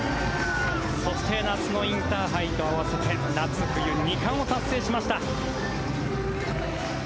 そして、夏のインターハイと合わせて夏冬２冠を達成しました！